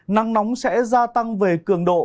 nắng nóng sẽ gia tăng về cường độ